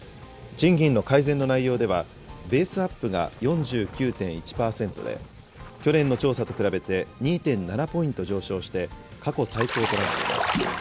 賃金の改善の内容では、ベースアップが４９．１％で、去年の調査と比べて２．７ポイント上昇して、過去最高となっています。